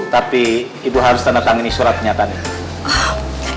tapi ibu harus tanda tangan surat kenyataannya